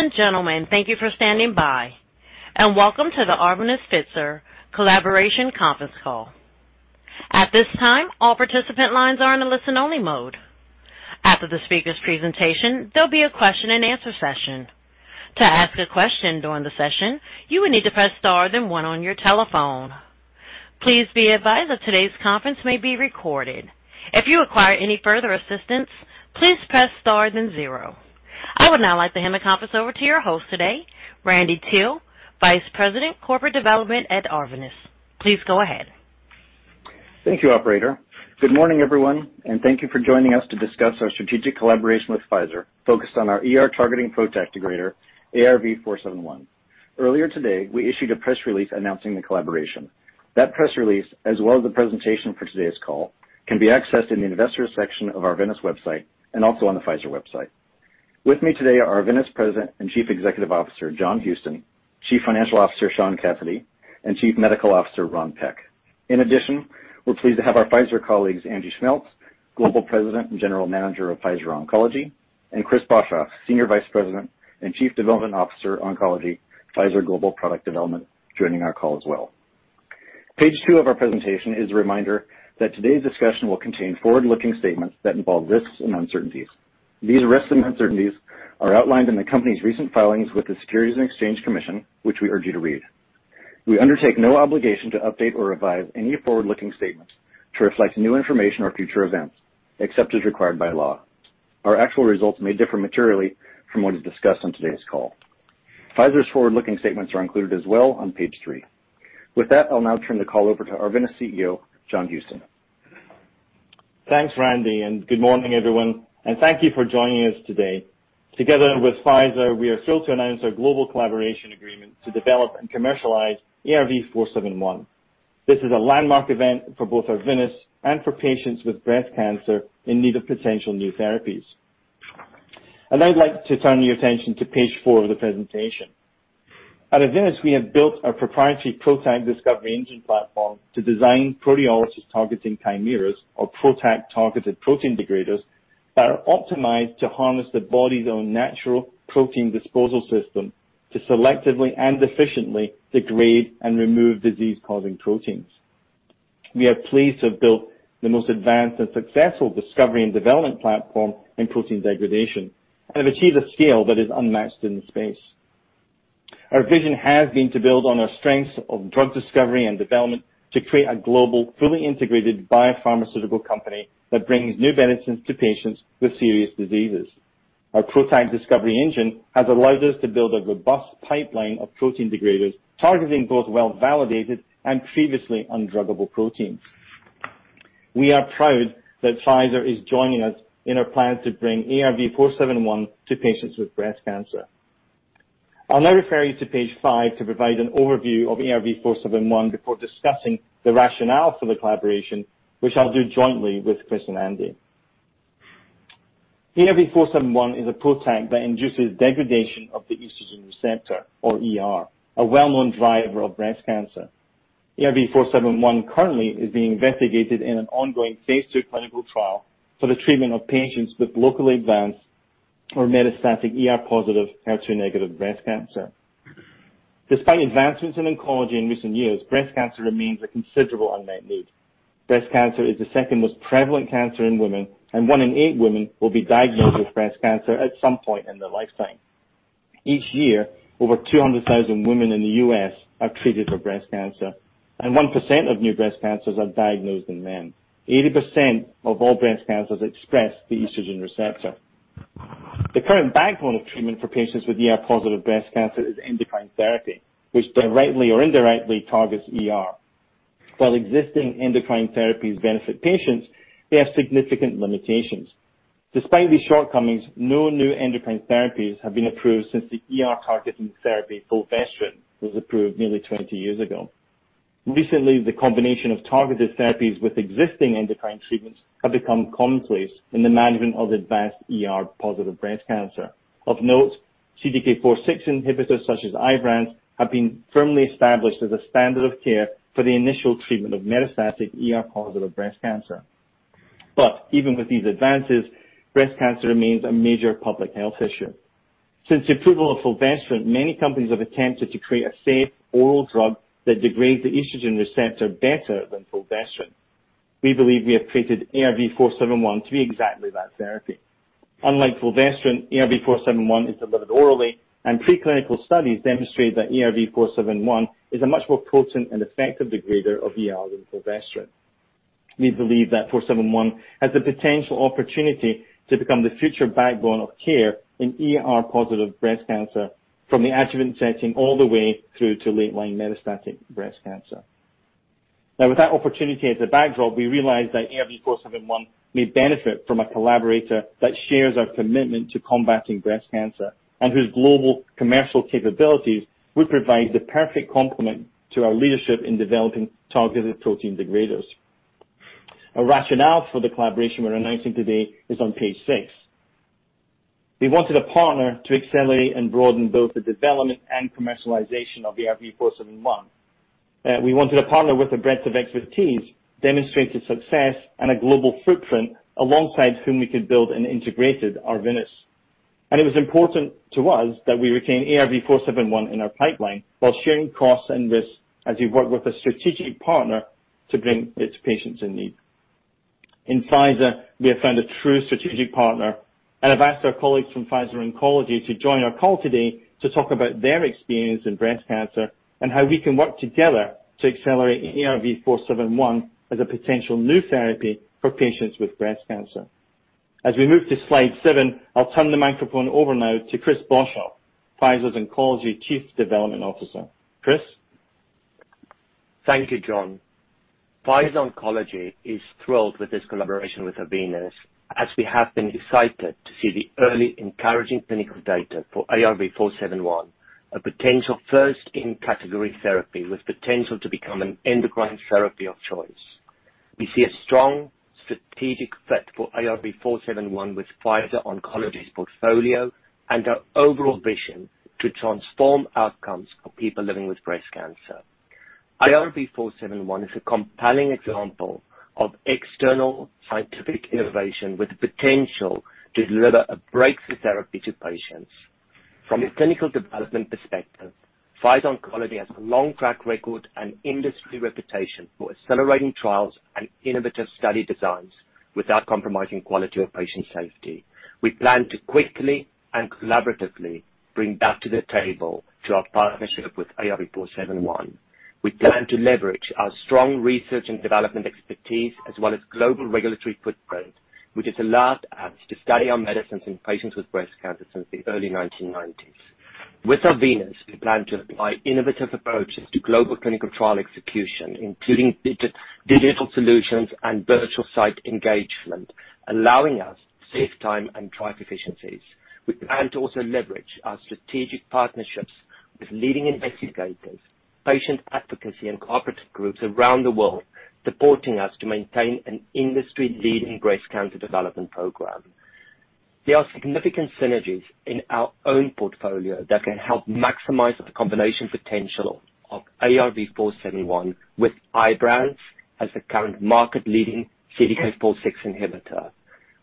Ladies and gentlemen, thank you for standing by, and welcome to the Arvinas-Pfizer collaboration conference call. At this time, all participant lines are in a listen-only mode. After the speakers' presentation, there'll be a question and answer session. To ask a question during the session, you will need to press star then one on your telephone. Please be advised that today's conference may be recorded. If you require any further assistance, please press star then zero. I would now like to hand the conference over to your host today, Randy Teel, Vice President, Corporate Development at Arvinas. Please go ahead. Thank you, operator. Good morning, everyone, thank you for joining us to discuss our strategic collaboration with Pfizer focused on our ER targeting PROTAC degrader, ARV-471. Earlier today, we issued a press release announcing the collaboration. That press release, as well as the presentation for today's call, can be accessed in the investors section of Arvinas website and also on the Pfizer website. With me today are Arvinas President and Chief Executive Officer, John Houston, Chief Financial Officer, Sean Cassidy, and Chief Medical Officer, Ron Peck. In addition, we're pleased to have our Pfizer colleagues, Andy Schmeltz, Global President and General Manager of Pfizer Oncology, and Chris Boshoff, Senior Vice President and Chief Development Officer, Oncology, Pfizer Global Product Development, joining our call as well. Page 2 of our presentation is a reminder that today's discussion will contain forward-looking statements that involve risks and uncertainties. These risks and uncertainties are outlined in the company's recent filings with the Securities and Exchange Commission, which we urge you to read. We undertake no obligation to update or revise any forward-looking statements to reflect new information or future events, except as required by law. Our actual results may differ materially from what is discussed on today's call. Pfizer's forward-looking statements are included as well on page three. With that, I'll now turn the call over to Arvinas CEO, John Houston. Thanks, Randy, good morning, everyone, and thank you for joining us today. Together with Pfizer, we are thrilled to announce our global collaboration agreement to develop and commercialize ARV-471. This is a landmark event for both Arvinas and for patients with breast cancer in need of potential new therapies. I'd like to turn your attention to page four of the presentation. At Arvinas, we have built a proprietary PROTAC Discovery Engine platform to design proteolysis targeting chimeras or PROTAC targeted protein degraders that are optimized to harness the body's own natural protein disposal system to selectively and efficiently degrade and remove disease-causing proteins. We are pleased to have built the most advanced and successful discovery and development platform in protein degradation and have achieved a scale that is unmatched in the space. Our vision has been to build on our strengths of drug discovery and development to create a global, fully integrated biopharmaceutical company that brings new medicines to patients with serious diseases. Our PROTAC Discovery Engine has allowed us to build a robust pipeline of protein degraders targeting both well-validated and previously undruggable proteins. We are proud that Pfizer is joining us in our plan to bring ARV-471 to patients with breast cancer. I'll now refer you to page five to provide an overview of ARV-471 before discussing the rationale for the collaboration, which I'll do jointly with Chris and Andy. ARV-471 is a PROTAC that induces degradation of the estrogen receptor or ER, a well-known driver of breast cancer. ARV-471 currently is being investigated in an ongoing phase II clinical trial for the treatment of patients with locally advanced or metastatic ER-positive, HER2-negative breast cancer. Despite advancements in oncology in recent years, breast cancer remains a considerable unmet need. Breast cancer is the second most prevalent cancer in women, and one in eight women will be diagnosed with breast cancer at some point in their lifetime. Each year, over 200,000 women in the U.S. are treated for breast cancer, and 1% of new breast cancers are diagnosed in men. 80% of all breast cancers express the estrogen receptor. The current backbone of treatment for patients with ER-positive breast cancer is endocrine therapy, which directly or indirectly targets ER. While existing endocrine therapies benefit patients, they have significant limitations. Despite these shortcomings, no new endocrine therapies have been approved since the ER-targeting therapy fulvestrant was approved nearly 20 years ago. Recently, the combination of targeted therapies with existing endocrine treatments have become commonplace in the management of advanced ER-positive breast cancer. Of note, CDK4/6 inhibitors such as IBRANCE have been firmly established as a standard of care for the initial treatment of metastatic ER-positive breast cancer. Even with these advances, breast cancer remains a major public health issue. Since the approval of fulvestrant, many companies have attempted to create a safe oral drug that degrades the estrogen receptor better than fulvestrant. We believe we have created ARV-471 to be exactly that therapy. Unlike fulvestrant, ARV-471 is delivered orally. Preclinical studies demonstrate that ARV-471 is a much more potent and effective degrader of ER than fulvestrant. We believe that 471 has the potential opportunity to become the future backbone of care in ER-positive breast cancer from the adjuvant setting all the way through to late-line metastatic breast cancer. With that opportunity as a backdrop, we realize that ARV-471 may benefit from a collaborator that shares our commitment to combating breast cancer and whose global commercial capabilities would provide the perfect complement to our leadership in developing targeted protein degraders. A rationale for the collaboration we are announcing today is on page six. We wanted a partner to accelerate and broaden both the development and commercialization of ARV-471. We wanted a partner with a breadth of expertise, demonstrated success, and a global footprint alongside whom we could build an integrated Arvinas. It was important to us that we retain ARV-471 in our pipeline while sharing costs and risks as we work with a strategic partner to bring it to patients in need. In Pfizer, we have found a true strategic partner, and I've asked our colleagues from Pfizer Oncology to join our call today to talk about their experience in breast cancer and how we can work together to accelerate ARV-471 as a potential new therapy for patients with breast cancer. As we move to slide seven, I'll turn the microphone over now to Chris Boshoff, Pfizer's Oncology Chief Development Officer. Chris? Thank you, John. Pfizer Oncology is thrilled with this collaboration with Arvinas as we have been excited to see the early encouraging clinical data for ARV-471, a potential first-in-category therapy with potential to become an endocrine therapy of choice. We see a strong strategic fit for ARV-471 with Pfizer Oncology's portfolio and our overall vision to transform outcomes for people living with breast cancer. ARV-471 is a compelling example of external scientific innovation with the potential to deliver a breakthrough therapy to patients. From a clinical development perspective, Pfizer Oncology has a long track record and industry reputation for accelerating trials and innovative study designs without compromising quality or patient safety. We plan to quickly and collaboratively bring that to the table to our partnership with ARV-471. We plan to leverage our strong research and development expertise as well as global regulatory footprint, which has allowed us to study our medicines in patients with breast cancer since the early 1990s. With Arvinas, we plan to apply innovative approaches to global clinical trial execution, including digital solutions and virtual site engagement, allowing us to save time and drive efficiencies. We plan to also leverage our strategic partnerships with leading investigators, patient advocacy, and cooperative groups around the world, supporting us to maintain an industry-leading breast cancer development program. There are significant synergies in our own portfolio that can help maximize the combination potential of ARV-471 with IBRANCE as the current market-leading CDK4/6 inhibitor.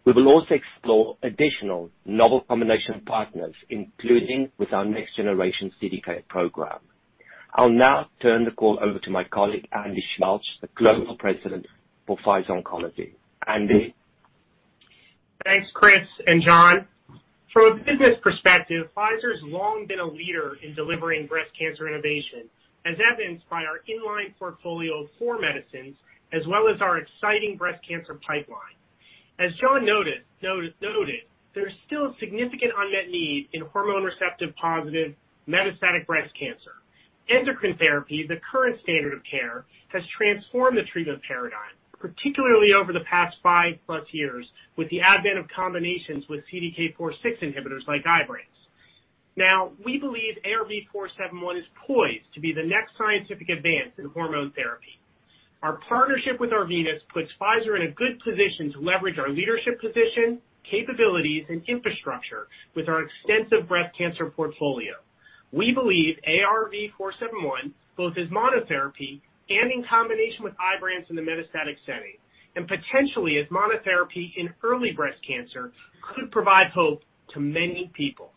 We will also explore additional novel combination partners, including with our next-generation CDK program. I'll now turn the call over to my colleague, Andy Schmeltz, the Global President for Pfizer Oncology. Andy? Thanks, Chris and John. From a business perspective, Pfizer's long been a leader in delivering breast cancer innovation, as evidenced by our in-line portfolio of four medicines, as well as our exciting breast cancer pipeline. As John noted, there's still a significant unmet need in hormone receptor positive metastatic breast cancer. Endocrine therapy, the current standard of care, has transformed the treatment paradigm, particularly over the past 5+ years, with the advent of combinations with CDK4/6 inhibitors like IBRANCE. Now, we believe ARV-471 is poised to be the next scientific advance in hormone therapy. Our partnership with Arvinas puts Pfizer in a good position to leverage our leadership position, capabilities, and infrastructure with our extensive breast cancer portfolio. We believe ARV-471, both as monotherapy and in combination with IBRANCE in the metastatic setting, and potentially as monotherapy in early breast cancer, could provide hope to many people.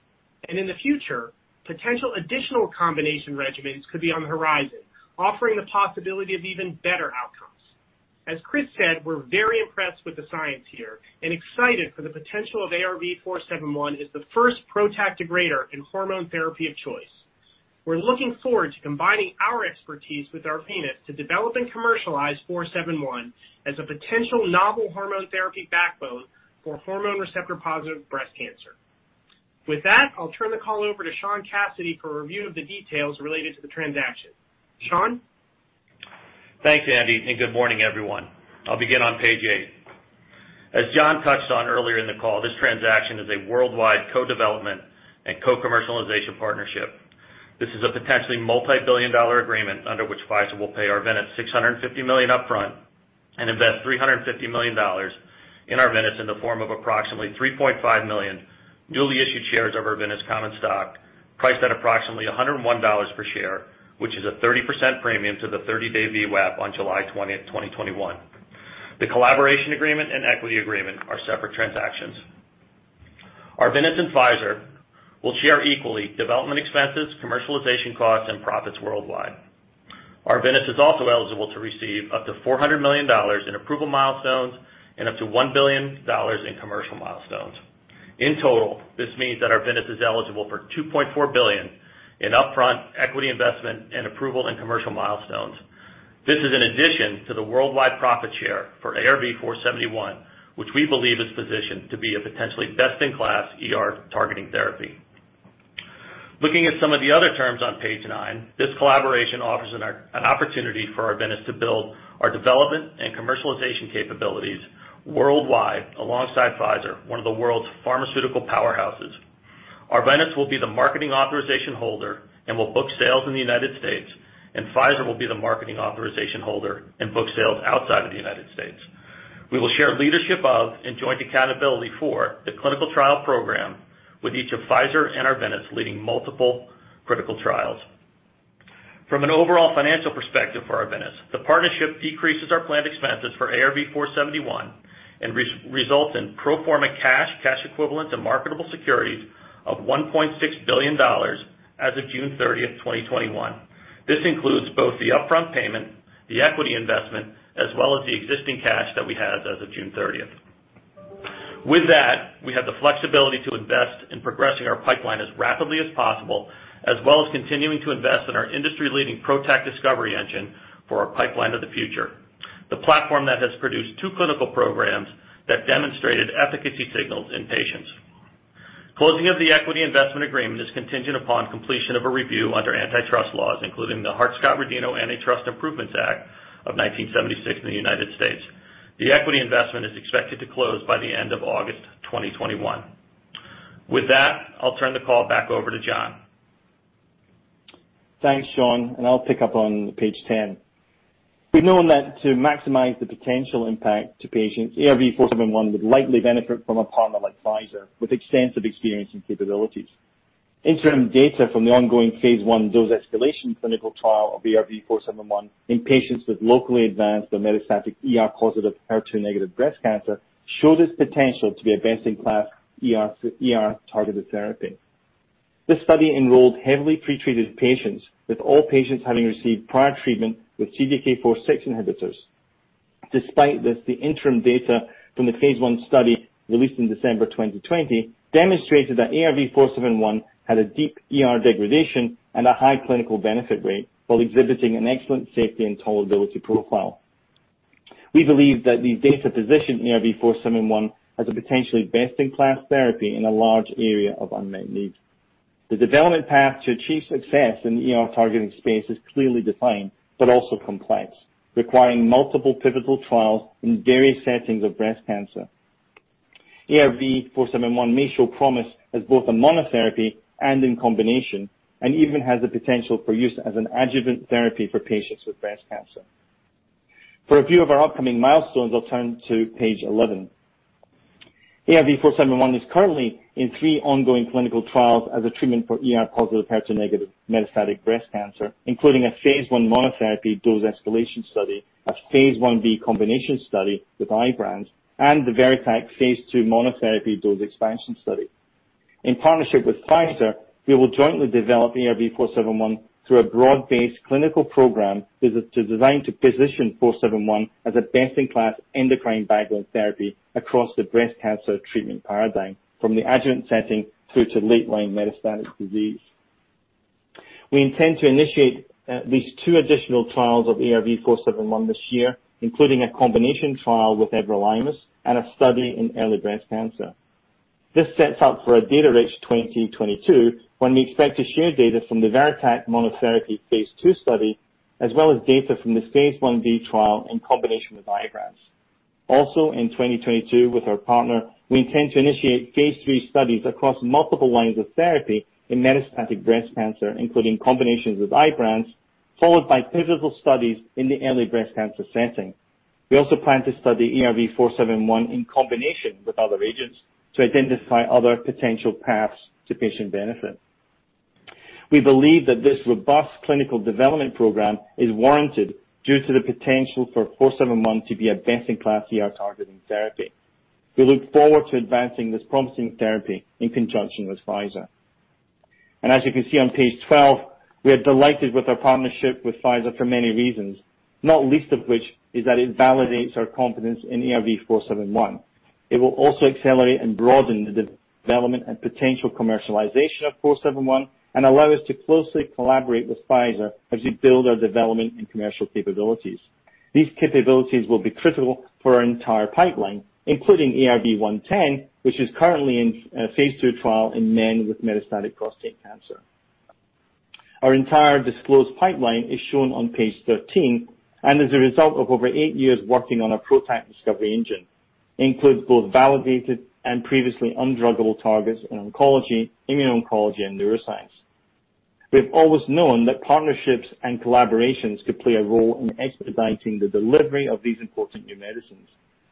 In the future, potential additional combination regimens could be on the horizon, offering the possibility of even better outcomes. As Chris said, we're very impressed with the science here and excited for the potential of ARV-471 as the first PROTAC degrader in hormone therapy of choice. We're looking forward to combining our expertise with Arvinas to develop and commercialize 471 as a potential novel hormone therapy backbone for hormone receptor-positive breast cancer. I'll turn the call over to Sean Cassidy for a review of the details related to the transaction. Sean? Thanks, Andy. Good morning, everyone. I'll begin on page eight. As John touched on earlier in the call, this transaction is a worldwide co-development and co-commercialization partnership. This is a potentially multi-billion dollar agreement under which Pfizer will pay Arvinas $650 million upfront and invest $350 million in Arvinas in the form of approximately 3.5 million newly issued shares of Arvinas common stock, priced at approximately $101 per share, which is a 30% premium to the 30-day VWAP on July 20th, 2021. The collaboration agreement and equity agreement are separate transactions. Arvinas and Pfizer will share equally development expenses, commercialization costs, and profits worldwide. Arvinas is also eligible to receive up to $400 million in approval milestones and up to $1 billion in commercial milestones. In total, this means that Arvinas is eligible for $2.4 billion in upfront equity investment and approval and commercial milestones. This is in addition to the worldwide profit share for ARV-471, which we believe is positioned to be a potentially best-in-class ER-targeting therapy. Looking at some of the other terms on page nine, this collaboration offers an opportunity for Arvinas to build our development and commercialization capabilities worldwide alongside Pfizer, one of the world's pharmaceutical powerhouses. Arvinas will be the marketing authorization holder and will book sales in the United States, and Pfizer will be the marketing authorization holder and book sales outside of the United States. We will share leadership of and joint accountability for the clinical trial program with each of Pfizer and Arvinas leading multiple critical trials. From an overall financial perspective for Arvinas, the partnership decreases our planned expenses for ARV-471 and results in pro forma cash equivalents, and marketable securities of $1.6 billion as of June 30th, 2021. This includes both the upfront payment, the equity investment, as well as the existing cash that we had as of June 30th. With that, we have the flexibility to invest in progressing our pipeline as rapidly as possible, as well as continuing to invest in our industry-leading PROTAC Discovery Engine for our pipeline of the future, the platform that has produced two clinical programs that demonstrated efficacy signals in patients. Closing of the equity investment agreement is contingent upon completion of a review under antitrust laws, including the Hart-Scott-Rodino Antitrust Improvements Act of 1976 in the United States. The equity investment is expected to close by the end of August 2021. With that, I'll turn the call back over to John. Thanks, Sean. I'll pick up on page 10. We've known that to maximize the potential impact to patients, ARV-471 would likely benefit from a partner like Pfizer, with extensive experience and capabilities. Interim data from the ongoing phase I dose-escalation clinical trial of ARV-471 in patients with locally advanced or metastatic ER-positive, HER2-negative breast cancer showed its potential to be a best-in-class ER-targeted therapy. This study enrolled heavily pretreated patients, with all patients having received prior treatment with CDK4/6 inhibitors. Despite this, the interim data from the phase I study, released in December 2020, demonstrated that ARV-471 had a deep ER degradation and a high clinical benefit rate while exhibiting an excellent safety and tolerability profile. We believe that these data position ARV-471 as a potentially best-in-class therapy in a large area of unmet need. The development path to achieve success in the ER-targeting space is clearly defined, but also complex, requiring multiple pivotal trials in various settings of breast cancer. ARV-471 may show promise as both a monotherapy and in combination, and even has the potential for use as an adjuvant therapy for patients with breast cancer. For a view of our upcoming milestones, I'll turn to page 11. ARV-471 is currently in three ongoing clinical trials as a treatment for ER-positive, HER2-negative metastatic breast cancer, including a phase I monotherapy dose-escalation study, a phase I-B combination study with IBRANCE, and the VERITAC phase II monotherapy dose expansion study. In partnership with Pfizer, we will jointly develop ARV-471 through a broad-based clinical program that is designed to position 471 as a best-in-class endocrine backbone therapy across the breast cancer treatment paradigm, from the adjuvant setting through to late-line metastatic disease. We intend to initiate at least two additional trials of ARV-471 this year, including a combination trial with everolimus and a study in early breast cancer. This sets up for a data-rich 2022, when we expect to share data from the VERITAC monotherapy phase II study, as well as data from the phase I-B trial in combination with IBRANCE. In 2022 with our partner, we intend to initiate phase III studies across multiple lines of therapy in metastatic breast cancer, including combinations with IBRANCE, followed by pivotal studies in the early breast cancer setting. We also plan to study ARV-471 in combination with other agents to identify other potential paths to patient benefit. We believe that this robust clinical development program is warranted due to the potential for 471 to be a best-in-class ER-targeting therapy. We look forward to advancing this promising therapy in conjunction with Pfizer. As you can see on page 12, we are delighted with our partnership with Pfizer for many reasons, not least of which is that it validates our confidence in ARV-471. It will also accelerate and broaden the development and potential commercialization of 471 and allow us to closely collaborate with Pfizer as we build our development and commercial capabilities. These capabilities will be critical for our entire pipeline, including ARV-110, which is currently in a phase II trial in men with metastatic prostate cancer. Our entire disclosed pipeline is shown on page 13, and as a result of over eight years working on our PROTAC Discovery Engine, includes both validated and previously undruggable targets in oncology, immuno-oncology, and neuroscience. We have always known that partnerships and collaborations could play a role in expediting the delivery of these important new medicines.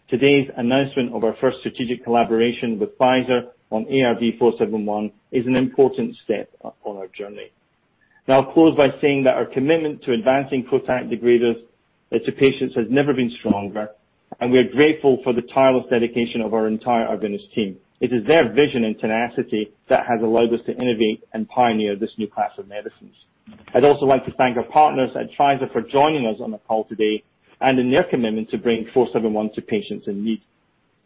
Today's announcement of our first strategic collaboration with Pfizer on ARV-471 is an important step up on our journey. I'll close by saying that our commitment to advancing PROTAC degraders to patients has never been stronger, and we are grateful for the tireless dedication of our entire Arvinas team. It is their vision and tenacity that has allowed us to innovate and pioneer this new class of medicines. I'd also like to thank our partners at Pfizer for joining us on the call today and in their commitment to bring 471 to patients in need.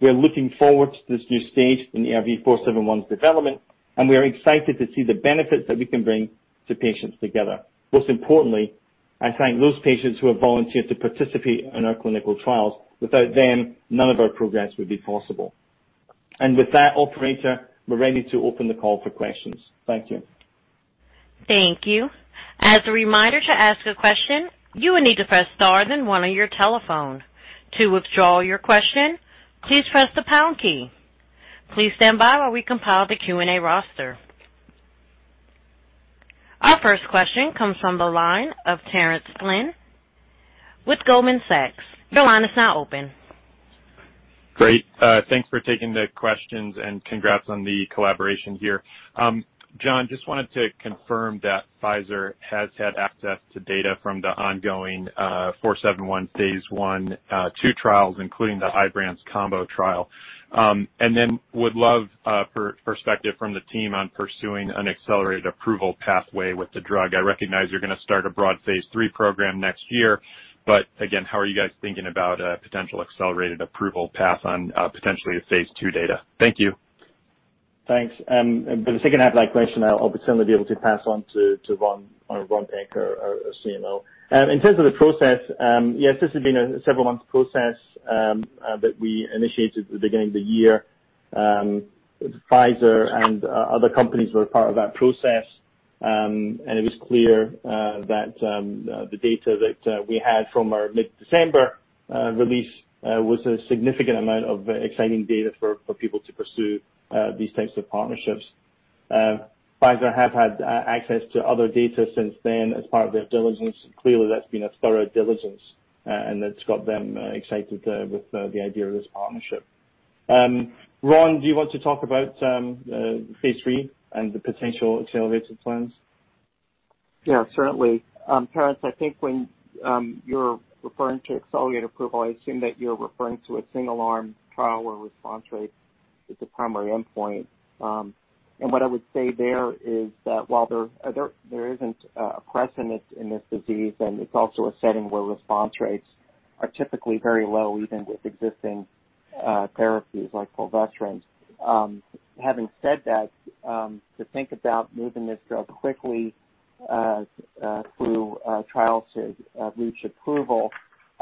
We are looking forward to this new stage in ARV-471's development, and we are excited to see the benefits that we can bring to patients together. Most importantly, I thank those patients who have volunteered to participate in our clinical trials. Without them, none of our progress would be possible. With that, operator, we're ready to open the call for questions. Thank you. Thank you. As a reminder, to ask a question, you will need to press star then one on your telephone. To withdraw your question, please press the pound key. Please stand by while we compile the Q&A roster. Our first question comes from the line of Terence Flynn with Goldman Sachs. Your line is now open. Great. Thanks for taking the questions and congrats on the collaboration here. John, just wanted to confirm that Pfizer has had access to data from the ongoing ARV-471, phase I/II trials, including the IBRANCE combo trial. Would love perspective from the team on pursuing an accelerated approval pathway with the drug. I recognize you're going to start a broad phase III program next year, but again, how are you guys thinking about a potential accelerated approval path on potentially the phase II data? Thank you. Thanks. For the second half of that question, I'll certainly be able to pass on to Ron or Ron Peck, our CMO. In terms of the process, yes, this has been a several-month process that we initiated at the beginning of the year. Pfizer and other companies were part of that process. It was clear that the data that we had from our mid-December release was a significant amount of exciting data for people to pursue these types of partnerships. Pfizer have had access to other data since then as part of their diligence. Clearly, that's been a thorough diligence and it's got them excited with the idea of this partnership. Ron, do you want to talk about phase III and the potential accelerated plans? Yeah, certainly. Terence, I think when you're referring to accelerated approval, I assume that you're referring to a single-arm trial where response rate is the primary endpoint. What I would say there is that while there isn't a precedent in this disease, and it's also a setting where response rates are typically very low, even with existing therapies like fulvestrant. Having said that, to think about moving this drug quickly through trials to reach approval,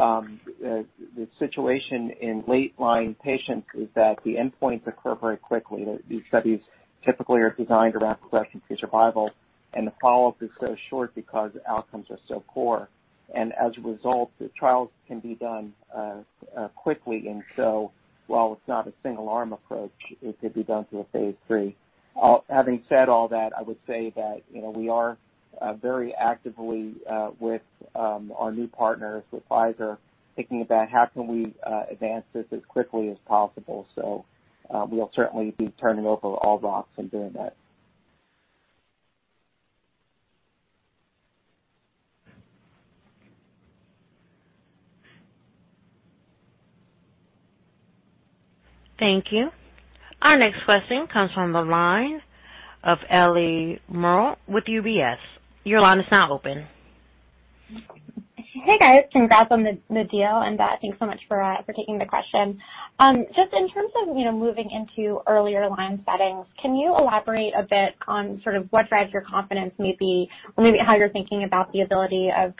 the situation in late line patients is that the endpoints occur very quickly. These studies typically are designed around progression-free survival, and the follow-up is so short because outcomes are so poor. As a result, the trials can be done quickly. While it's not a single-arm approach, it could be done through a phase III. Having said all that, I would say that we are very actively with our new partners, with Pfizer, thinking about how can we advance this as quickly as possible. We'll certainly be turning over all rocks in doing that. Thank you. Our next question comes from the line of Ellie Merle with UBS. Your line is now open. Hey, guys. Congrats on the deal and thanks so much for taking the question. In terms of moving into earlier line settings, can you elaborate a bit on sort of what drives your confidence maybe, or maybe how you're thinking about the ability of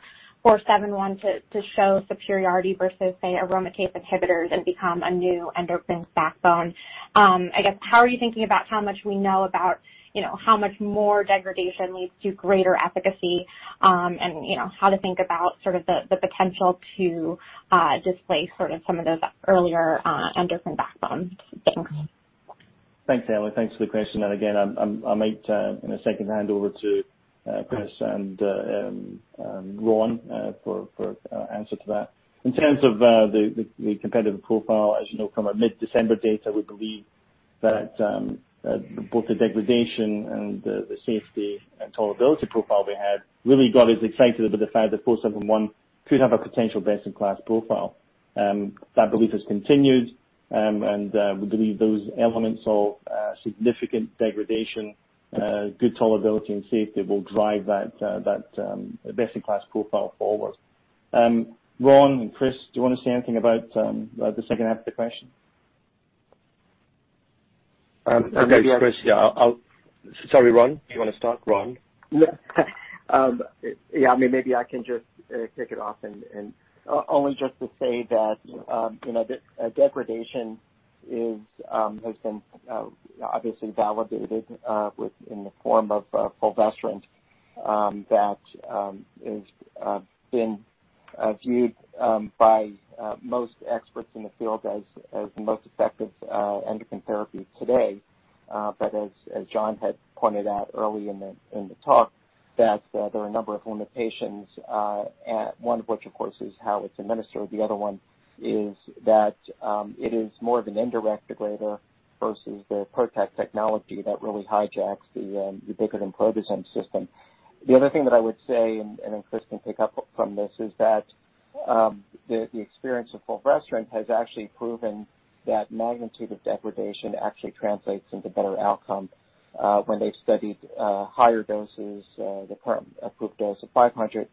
ARV-471 to show superiority versus, say, aromatase inhibitors and become a new endocrine backbone? How are you thinking about how much we know about how much more degradation leads to greater efficacy, and how to think about sort of the potential to displace sort of some of those earlier endocrine backbones. Thanks. Thanks, Ellie. Thanks for the question. Again, I might in a second hand over to Chris and Ron for answer to that. In terms of the competitive profile, as you know from our mid-December data, we believe that both the degradation and the safety and tolerability profile we had really got us excited about the fact that ARV-471 could have a potential best-in-class profile. That belief has continued, and we believe those elements of significant degradation, good tolerability and safety will drive that best-in-class profile forward. Ron and Chris, do you want to say anything about the second half of the question? I'll maybe- Sorry, Chris. Yeah, Sorry, Ron. Do you want to start? Ron. No. Yeah, maybe I can just kick it off and only just to say that degradation has been obviously validated in the form of fulvestrant that has been viewed by most experts in the field as the most effective endocrine therapy today. As John had pointed out early in the talk, that there are a number of limitations, one of which, of course, is how it's administered. The other one is that it is more of an indirect degrader versus the PROTAC technology that really hijacks the ubiquitin proteasome system. The other thing that I would say, and then Chris can pick up from this, is that the experience of fulvestrant has actually proven that magnitude of degradation actually translates into better outcome. When they've studied higher doses, the current approved dose of 500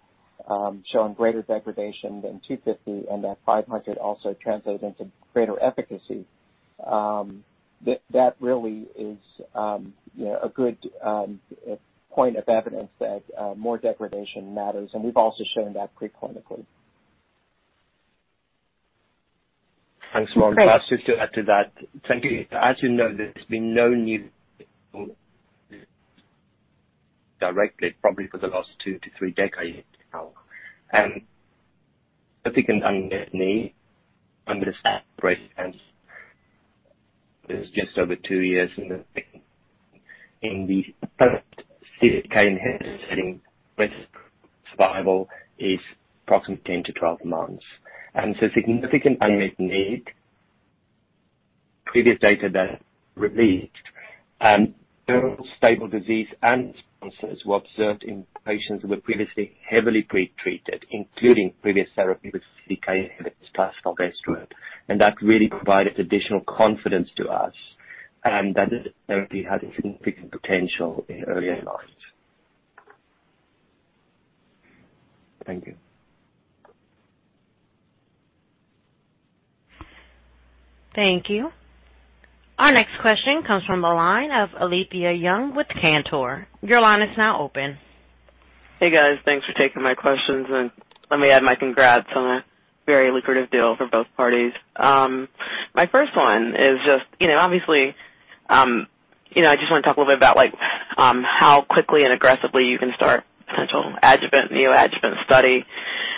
showing greater degradation than 250, and that 500 also translates into greater efficacy. That really is a good point of evidence that more degradation matters, and we've also shown that pre-clinically. Thanks, Ron. Just to add to that. Thank you. As you know, there's been no new directly, probably for the last two to three decades now. I think, and understand greatIt was just over two years in the making. In the first CDK inhibitor setting, breast survival is approximately 10 to 12 months, and so significant unmet need. Previous data that released durable stable disease and responses were observed in patients who were previously heavily pre-treated, including previous therapy with CDK inhibitors plus fulvestrant, and that really provided additional confidence to us, and that this therapy had a significant potential in early trials. Thank you. Thank you. Our next question comes from the line of Alethia Young with Cantor. Your line is now open. Hey, guys. Thanks for taking my questions. Let me add my congrats on a very lucrative deal for both parties. My first one is, obviously, I want to talk a little bit about how quickly and aggressively you can start potential adjuvant, neoadjuvant study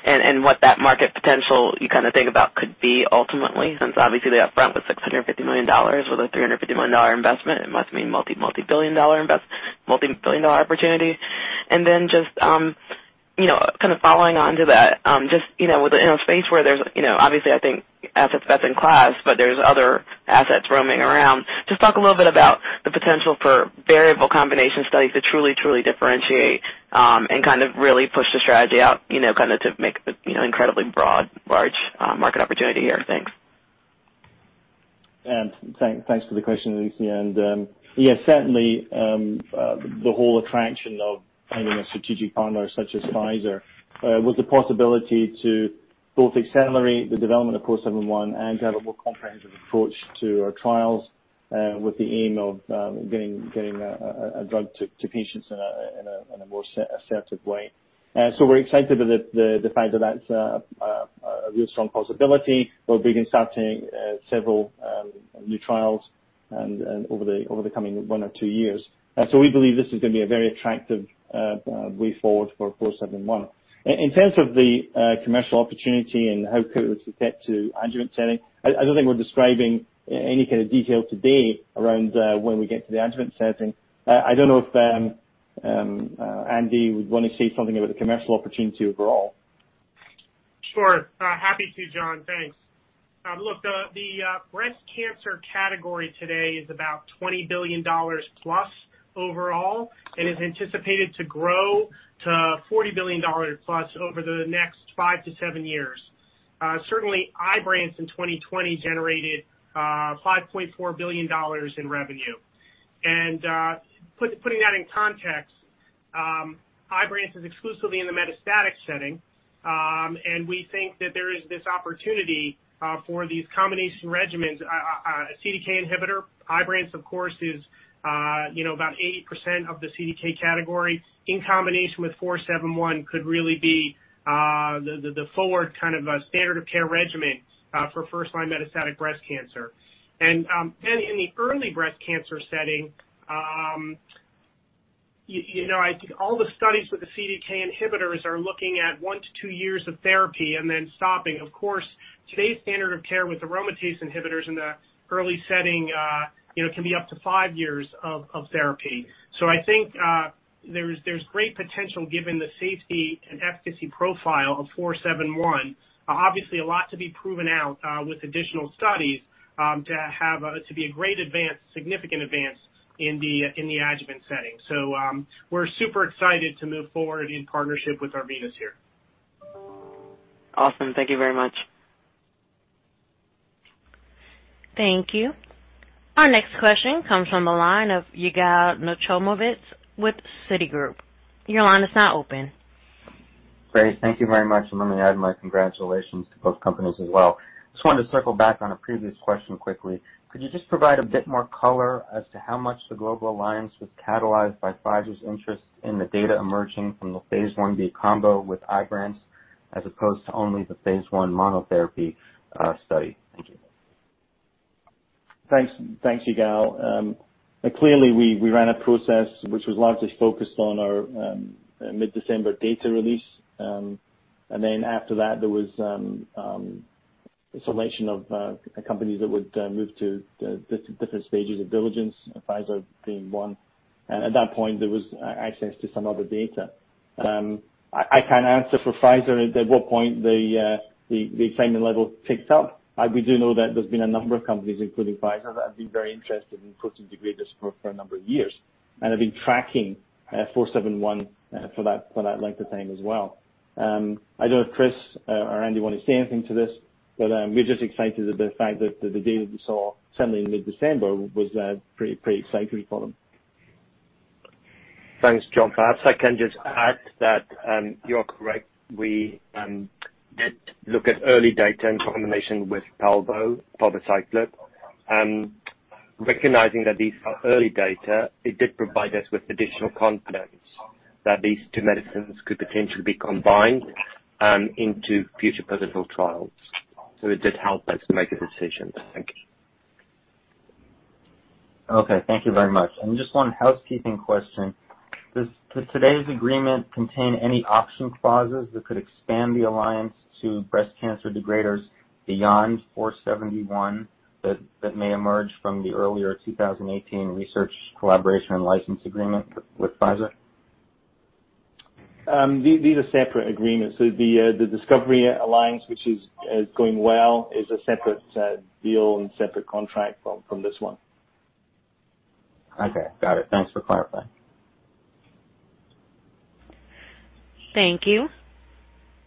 and what that market potential you think about could be ultimately, since obviously the upfront was $650 million with a $350 million investment, it must mean multi-billion dollar opportunity. Then, following onto that, within a space where there's obviously, I think, assets best-in-class, but there's other assets roaming around. Talk a little bit about the potential for variable combination studies to truly differentiate, and really push the strategy out, to make the incredibly broad, large, market opportunity here. Thanks. Thanks for the question, Alethia. Yes, certainly, the whole attraction of finding a strategic partner such as Pfizer was the possibility to both accelerate the development of 471 and to have a more comprehensive approach to our trials, with the aim of getting a drug to patients in a more assertive way. We're excited about the fact that's a real strong possibility. We'll be starting several new trials over the coming one or two years. We believe this is going to be a very attractive way forward for 471. In terms of the commercial opportunity and how quickly we could get to adjuvant setting, I don't think we're describing any kind of detail today around when we get to the adjuvant setting. I don't know if Andy would want to say something about the commercial opportunity overall? Sure. Happy to, John. Thanks. Look, the breast cancer category today is about $20 billion+ overall and is anticipated to grow to $40 billion+ over the next five to seven years. Certainly, IBRANCE in 2020 generated $5.4 billion in revenue. Putting that in context, IBRANCE is exclusively in the metastatic setting, and we think that there is this opportunity for these combination regimens, a CDK inhibitor. IBRANCE, of course, is about 80% of the CDK category in combination with 471 could really be the forward kind of standard of care regimen for first-line metastatic breast cancer. In the early breast cancer setting, all the studies with the CDK inhibitors are looking at one to two years of therapy and then stopping. Of course, today's standard of care with aromatase inhibitors in the early setting can be up to five years of therapy. I think there's great potential given the safety and efficacy profile of 471. Obviously, a lot to be proven out with additional studies, to be a great advance, significant advance in the adjuvant setting. We're super excited to move forward in partnership with Arvinas here. Awesome. Thank you very much. Thank you. Our next question comes from the line of Yigal Nochomovitz with Citigroup. Your line is now open. Great. Thank you very much, and let me add my congratulations to both companies as well. Just wanted to circle back on a previous question quickly. Could you just provide a bit more color as to how much the global alliance was catalyzed by Pfizer's interest in the data emerging from the phase I-B combo with IBRANCE, as opposed to only the phase I monotherapy study? Thank you. Thanks, Yigal. Clearly, we ran a process which was largely focused on our mid-December data release. Then after that, there was a selection of companies that would move to the different stages of diligence, Pfizer being one. At that point, there was access to some of the data. I can't answer for Pfizer at what point the excitement level ticked up. We do know that there's been a number of companies, including Pfizer, that have been very interested in protein degraders for a number of years and have been tracking 471 for that length of time as well. I don't know if Chris or Andy want to say anything to this, but, we're just excited about the fact that the data we saw suddenly in mid-December was pretty exciting for them. Thanks, John. Perhaps I can just add that, you are correct. We did look at early data in combination with palbociclib. Recognizing that these are early data, it did provide us with additional confidence that these two medicines could potentially be combined into future clinical trials. It did help us to make a decision. Thank you Okay, thank you very much. Just one housekeeping question. Does today's agreement contain any option clauses that could expand the alliance to breast cancer degraders beyond 471 that may emerge from the earlier 2018 research collaboration and license agreement with Pfizer? These are separate agreements. The discovery alliance, which is going well, is a separate deal and separate contract from this one. Okay. Got it. Thanks for clarifying. Thank you.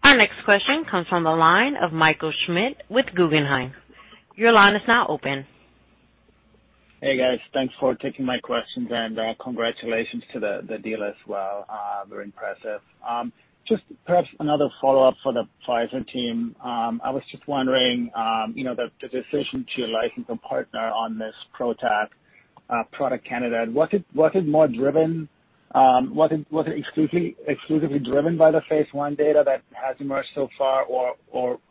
Our next question comes from the line of Michael Schmidt with Guggenheim. Your line is now open. Hey, guys. Thanks for taking my questions, and congratulations to the deal as well. Very impressive. Just perhaps another follow-up for the Pfizer team. I was just wondering, the decision to license a partner on this PROTAC product candidate. Was it exclusively driven by the phase I data that has emerged so far?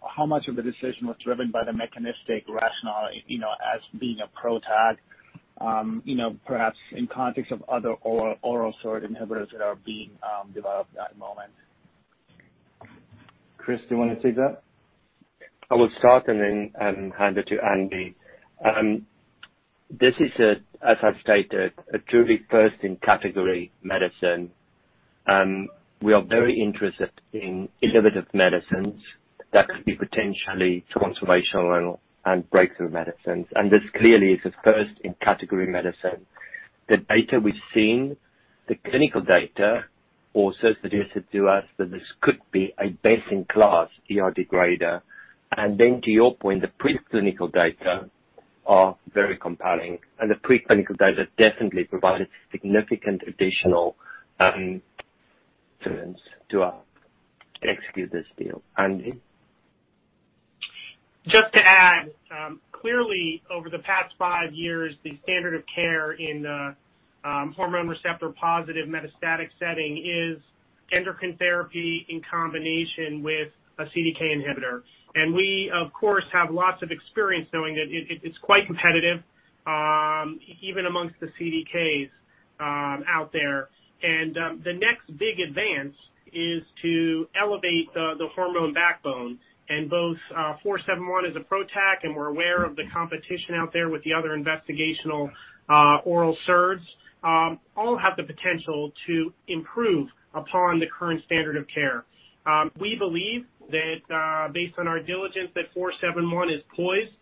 How much of the decision was driven by the mechanistic rationale, as being a PROTAC perhaps in context of other oral SERD inhibitors that are being developed at the moment? Chris, do you want to take that? I will start and then hand it to Andy. This is, as I've stated, a truly first in category medicine. We are very interested in innovative medicines that could be potentially transformational and breakthrough medicines. This clearly is a first in category medicine. The data we've seen, the clinical data, also suggested to us that this could be a best in class ER degrader. Then to your point, the preclinical data are very compelling. The preclinical data definitely provided significant additional evidence to us to execute this deal. Andy? Just to add, clearly over the past five years, the standard of care in hormone receptor positive metastatic setting is endocrine therapy in combination with a CDK inhibitor. We of course have lots of experience knowing that it's quite competitive, even amongst the CDKs out there. The next big advance is to elevate the hormone backbone, and both 471 as a PROTAC, and we're aware of the competition out there with the other investigational oral SERDs all have the potential to improve upon the current standard of care. We believe that based on our diligence, that 471 is poised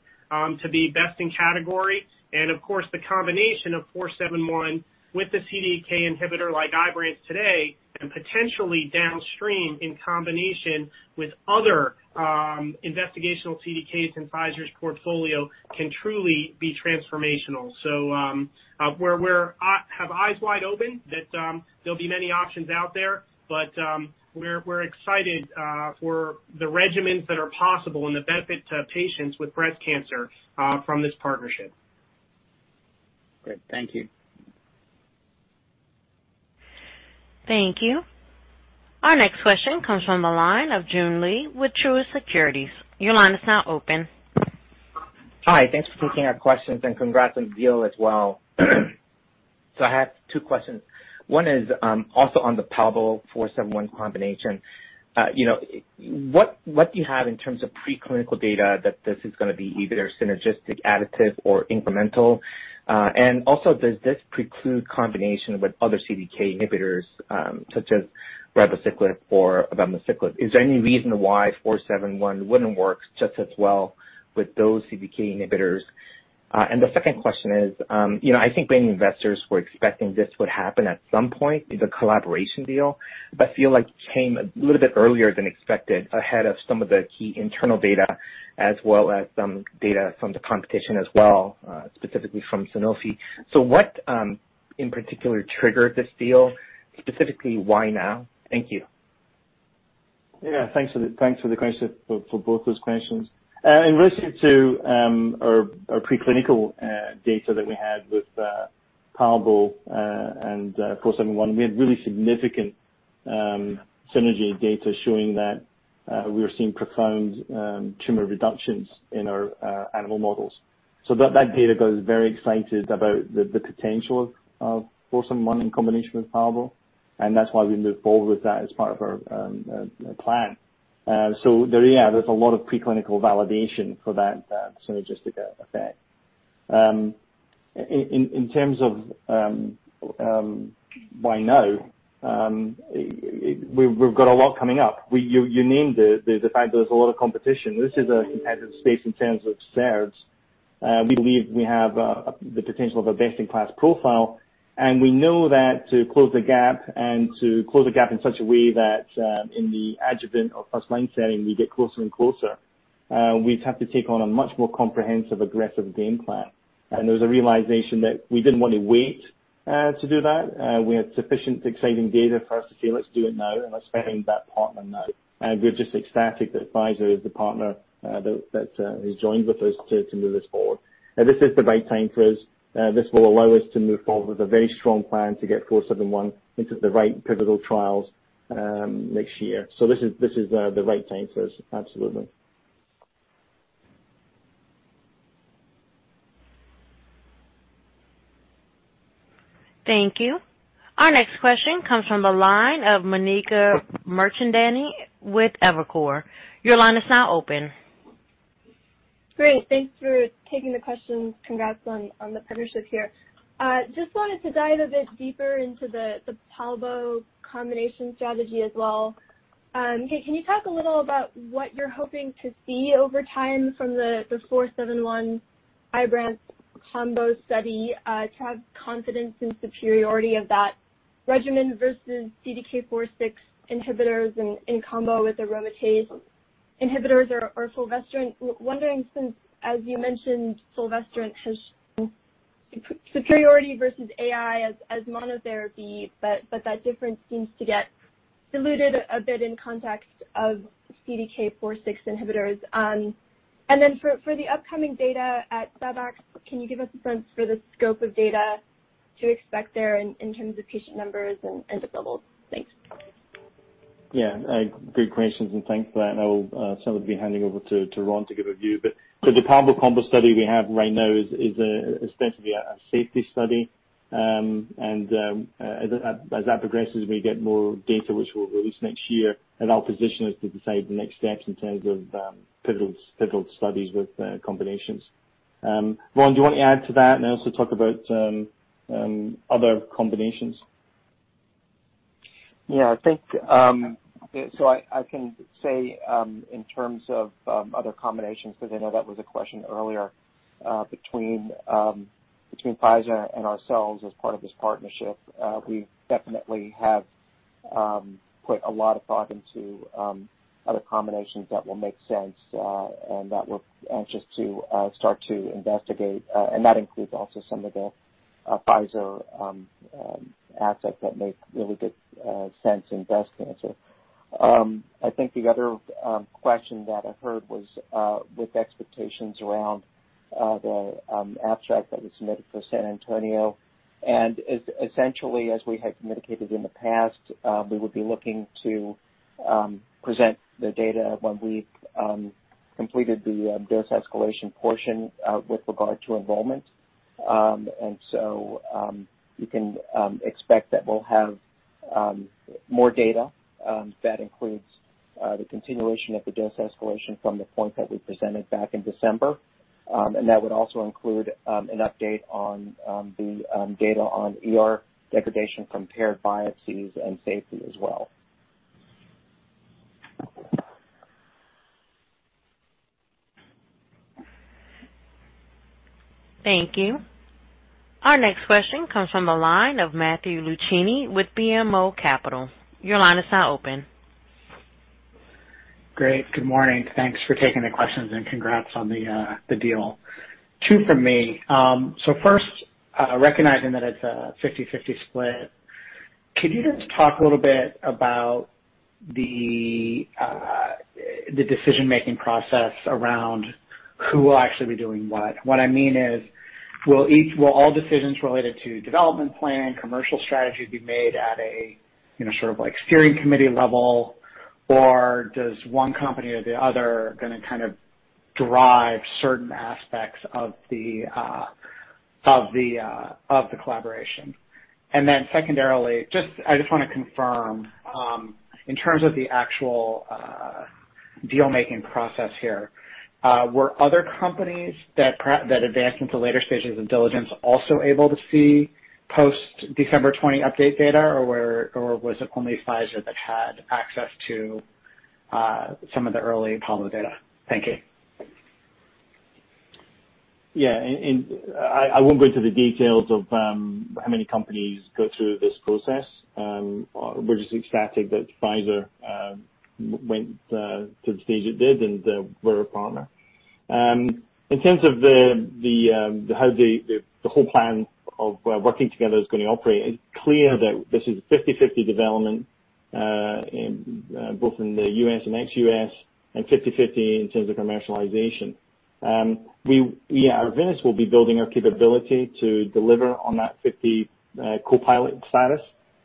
to be best in category, and of course, the combination of 471 with the CDK inhibitor like IBRANCE today, and potentially downstream in combination with other investigational CDKs in Pfizer's portfolio can truly be transformational. We have eyes wide open that there'll be many options out there, but we're excited for the regimens that are possible and the benefit to patients with breast cancer from this partnership. Great. Thank you. Thank you. Our next question comes from the line of Joon Lee with Truist Securities. Hi. Thanks for taking our questions. Congrats on the deal as well. I have two questions. One is also on the palbociclib 471 combination. What do you have in terms of preclinical data that this is going to be either synergistic, additive or incremental? Also, does this preclude combination with other CDK inhibitors such as ribociclib or abemaciclib? Is there any reason why 471 wouldn't work just as well with those CDK inhibitors? The 2nd question is, I think many investors were expecting this would happen at some point, the collaboration deal, but feel like it came a little bit earlier than expected ahead of some of the key internal data as well as some data from the competition as well, specifically from Sanofi. What in particular triggered this deal, specifically, why now? Thank you. Thanks for both those questions. In relation to our preclinical data that we had with palbociclib and ARV-471, we had really significant synergy data showing that we were seeing profound tumor reductions in our animal models. That data got us very excited about the potential of ARV-471 in combination with palbociclib, and that's why we moved forward with that as part of our plan. There's a lot of preclinical validation for that synergistic effect. In terms of why now, we've got a lot coming up. You named it, the fact there's a lot of competition. This is a competitive space in terms of SERDs. We believe we have the potential of a best in class profile, and we know that to close the gap and to close the gap in such a way that in the adjuvant or first-line setting, we get closer and closer, we'd have to take on a much more comprehensive, aggressive game plan. There was a realization that we didn't want to wait to do that. We had sufficient exciting data for us to say, "Let's do it now and let's find that partner now." We're just ecstatic that Pfizer is the partner that has joined with us to move this forward. This is the right time for us. This will allow us to move forward with a very strong plan to get ARV-471 into the right pivotal trials next year. This is the right time for us. Absolutely. Thank you. Our next question comes from the line of Monique Merchandani with Evercore. Your line is now open. Great. Thanks for taking the questions. Congrats on the partnership here. Wanted to dive a bit deeper into the palbociclib combination strategy as well. Can you talk a little about what you're hoping to see over time from the ARV-471 IBRANCE combo study, trial confidence and superiority of that regimen versus CDK4/6 inhibitors in combo with aromatase inhibitors or fulvestrant, wondering since, as you mentioned, fulvestrant has superiority versus AI as monotherapy, but that difference seems to get diluted a bit in context of CDK4/6 inhibitors? For the upcoming data at San Antonio, can you give us a sense for the scope of data to expect there in terms of patient numbers and N levels? Thanks. Yeah. Great questions, and thanks for that. I will certainly be handing over to Ron to give a view. The palbo combo study we have right now is essentially a safety study. As that progresses, we get more data, which we'll release next year, and our position is to decide the next steps in terms of pivotal studies with combinations. Ron, do you want to add to that and also talk about other combinations? Yeah, I think so I can say, in terms of other combinations, because I know that was a question earlier, between Pfizer and ourselves as part of this partnership, we definitely have put a lot of thought into other combinations that will make sense, and that we're anxious to start to investigate. That includes also some of the Pfizer assets that make really good sense in breast cancer. I think the other question that I heard was with expectations around the abstract that was submitted for San Antonio. Essentially, as we had communicated in the past, we would be looking to present the data when we've completed the dose escalation portion with regard to enrollment. You can expect that we'll have more data that includes the continuation of the dose escalation from the point that we presented back in December. That would also include an update on the data on ER degradation from paired biopsies and safety as well. Thank you. Our next question comes from the line of Matthew Luchini with BMO Capital. Your line is now open. Great, good morning. Thanks for taking the questions and congrats on the deal. Two from me. First, recognizing that it's a 50/50 split, could you just talk a little bit about the decision-making process around who will actually be doing what? What I mean is, will all decisions related to development plan, commercial strategy, be made at a sort of steering committee level, or does one company or the other going to kind of drive certain aspects of the collaboration? Secondarily, I just want to confirm, in terms of the actual deal-making process here, were other companies that advanced into later stages of diligence also able to see post-December 20 update data, or was it only Pfizer that had access to some of the early palbo data? Thank you. Yeah. I won't go into the details of how many companies go through this process. We're just ecstatic that Pfizer went to the stage it did and we're a partner. In terms of how the whole plan of working together is going to operate, it's clear that this is a fifty-fifty development, both in the U.S. and ex-U.S., and fifty-fifty in terms of commercialization. We at Arvinas will be building our capability to deliver on that 50 co-pilot status.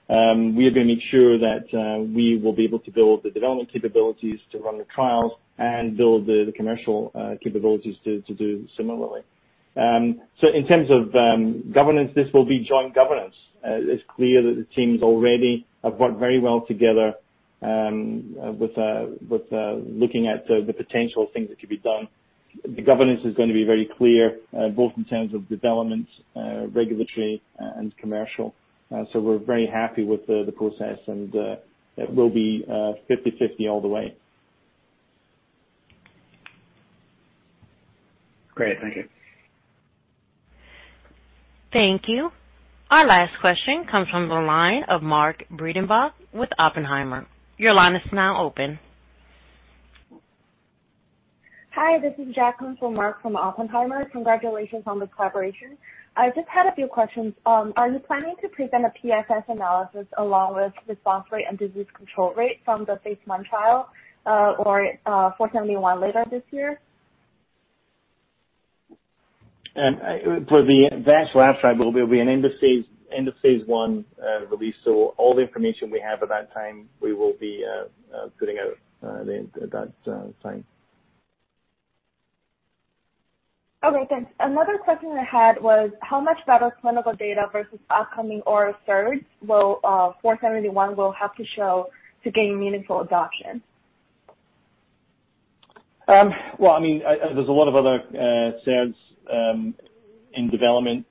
We are going to make sure that we will be able to build the development capabilities to run the trials and build the commercial capabilities to do similarly. In terms of governance, this will be joint governance. It's clear that the teams already have worked very well together with looking at the potential things that could be done. The governance is going to be very clear, both in terms of development, regulatory, and commercial. We're very happy with the process, and it will be 50/50 all the way. Great. Thank you. Thank you. Our last question comes from the line of Mark Breidenbach with Oppenheimer. Your line is now open. Hi, this is Jacqueline for Mark from Oppenheimer. Congratulations on this collaboration. I just had a few questions. Are you planning to present a PFS analysis along with response rate and disease control rate from the phase I trial of 471 later this year? For the advanced lab file, there will be an end of phase I release. All the information we have at that time, we will be putting out at that time. Okay, thanks. Another question I had was, how much better clinical data versus upcoming oral SERDs will 471 have to show to gain meaningful adoption? There's a lot of other studies in development.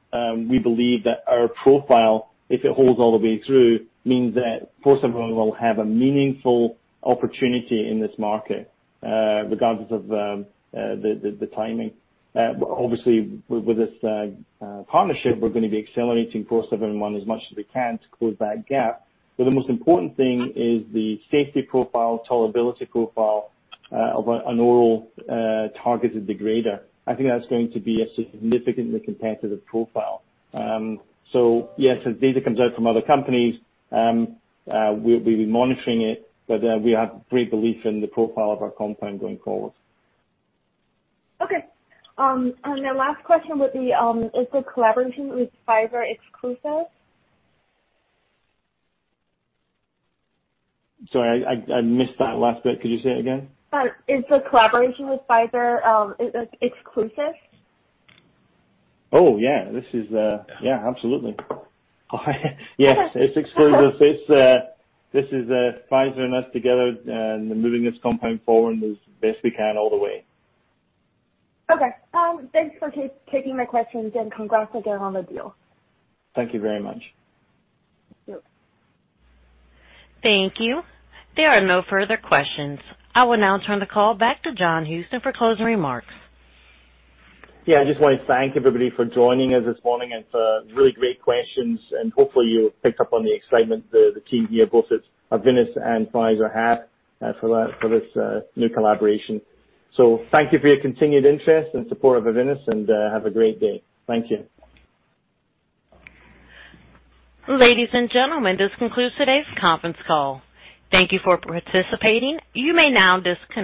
We believe that our profile, if it holds all the way through, means that 471 will have a meaningful opportunity in this market, regardless of the timing. Obviously, with this partnership, we're going to be accelerating 471 as much as we can to close that gap. The most important thing is the safety profile, tolerability profile, of an oral targeted degrader. I think that's going to be a significantly competitive profile. Yes, as data comes out from other companies, we'll be monitoring it, but we have great belief in the profile of our compound going forward. Okay. The last question would be, is the collaboration with Pfizer exclusive? Sorry, I missed that last bit. Could you say it again? Sorry. Is the collaboration with Pfizer exclusive? Oh, yeah. Absolutely. Yes. It's exclusive. This is Pfizer and us together, and moving this compound forward as best we can all the way. Okay. Thanks for taking my questions, and congrats again on the deal. Thank you very much. Yep. Thank you. There are no further questions. I will now turn the call back to John Houston for closing remarks. I just want to thank everybody for joining us this morning and for really great questions, and hopefully you picked up on the excitement the team here, both at Arvinas and Pfizer have for this new collaboration. Thank you for your continued interest and support of Arvinas, and have a great day. Thank you. Ladies and gentlemen, this concludes today's conference call. Thank you for participating. You may now disconnect.